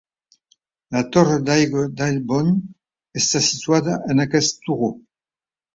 La torre d'aigua d'Albion està situada en aquest turó.